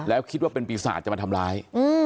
แล้วคิดว่าเป็นปีศาจจะมาทำร้าย